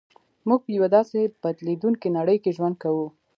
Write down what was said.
موږ په یوه داسې بدلېدونکې نړۍ کې ژوند کوو